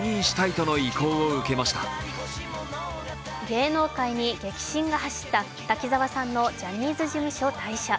芸能界に激震が走った滝沢さんのジャニーズ事務所退社。